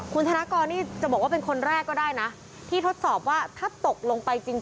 คุณธนากรนี่จะบอกว่าเป็นคนแรกก็ได้นะที่ทดสอบว่าถ้าตกลงไปจริง